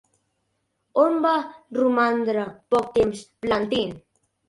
On va romandre poc temps Plantin?